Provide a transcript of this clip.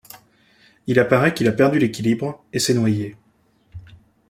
Il apparait qu'il a perdu l'équilibre et s'est noyé.